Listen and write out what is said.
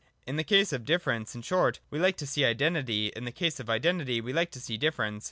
In the case of difference, in short, we like to see identity, and in the case of identity we like to see difference.